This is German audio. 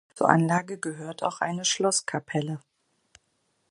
Zur Anlage gehört auch eine Schlosskapelle.